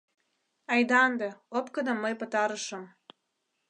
— Айда ынде, опкыным мый пытарышым.